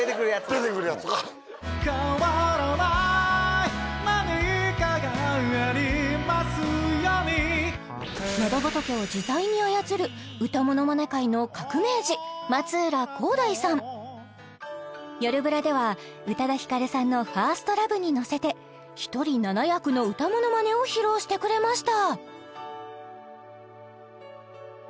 出てくるやつガッて変わらない何かがありますように喉仏を自在に操る「よるブラ」では宇多田ヒカルさんの「ＦｉｒｓｔＬｏｖｅ」に乗せて１人７役の歌ものまねを披露してくれました